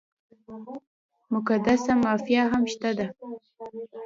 مقدسه مافیا هم شته ده.